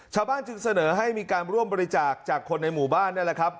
จึงเสนอให้มีการร่วมบริจาคจากคนในหมู่บ้านนั่นแหละครับ